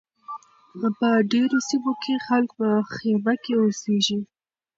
په ډېرو سیمو کې خلک په خیمه کې اوسیږي.